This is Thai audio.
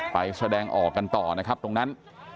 แสดงออกกันต่อนะครับตรงนั้น